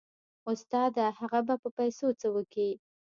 استاده هغه به په پيسو څه وکي.